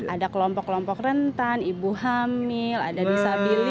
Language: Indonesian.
ada kelompok kelompok rentan ibu hamil ada bisa beli